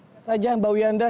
singkat saja mbak wiyanda